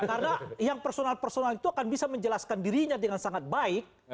karena yang personal personal itu akan bisa menjelaskan dirinya dengan sangat baik